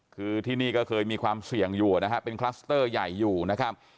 คือที่นี่ก็เคยมีความเสี่ยงอยู่นะฮะเป็นคลัสเตอร์ใหญ่อยู่นะครับ